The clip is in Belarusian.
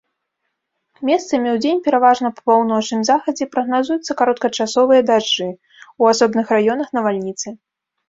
Месцамі, удзень пераважна па паўночным захадзе прагназуюцца кароткачасовыя дажджы, у асобных раёнах навальніцы.